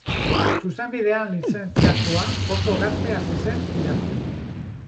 Zuzenbidean lizentziatua, oso gazte hasi zen idazten.